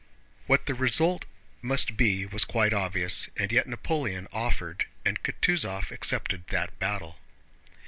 What the result must be was quite obvious, and yet Napoleon offered and Kutúzov accepted that battle.